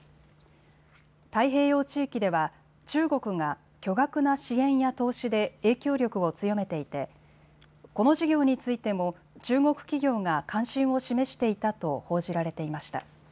太平洋地域では中国が巨額な支援や投資で影響力を強めていてこの事業についても中国企業が関心を示していたと報じられていました。